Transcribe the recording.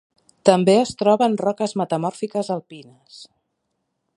També es troba en roques metamòrfiques alpines.